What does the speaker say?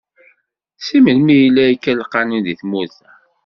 Si melmi yella akka lqanun di tmurt-a?